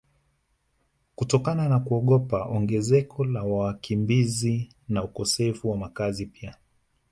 kutokana na kuogopa ongezeko la wakimbizi na ukosefu wa makazi pia